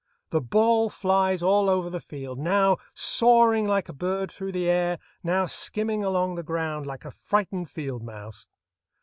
The ball flies all over the field, now soaring like a bird through the air, now skimming along the ground like a frightened field mouse.